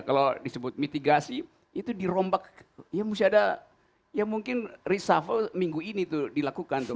kalau disebut mitigasi itu dirombak ya mesti ada ya mungkin reshuffle minggu ini tuh dilakukan tuh